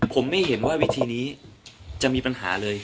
ผมไม่เห็นว่าวิธีนี้จะมีปัญหาเลย